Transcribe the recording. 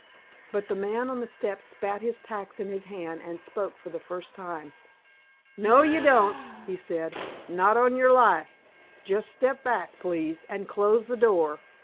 But the man on the step spat his tacks in his hand and spoke for the first time. "No, you don't," he said. "Not on your life. Just step back, please, and close the door.